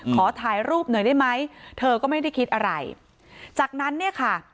ขอถ่ายรูปหน่อยได้ไหมเธอก็ไม่ได้คิดอะไรจากนั้นเนี่ยค่ะ